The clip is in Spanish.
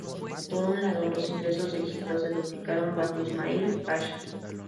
Por un lado, los ingresos de Egipto se duplicaron bajo Ismail Pasha.